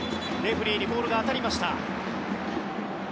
レフェリーにボールが当たりました。